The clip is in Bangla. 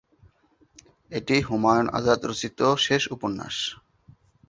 এটি হুমায়ুন আজাদ রচিত শেষ উপন্যাস।